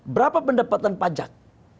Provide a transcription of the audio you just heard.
berapa pendapatan pajak